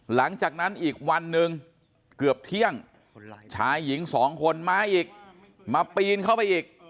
หลังจากนั้นอีกวันหนึ่งเกือบเที่ยงชายหญิงสองคนมาอีกมาปีนเข้าไปอีก